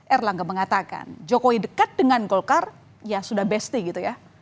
erlangga mengatakan jokowi dekat dengan golkar ya sudah besti gitu ya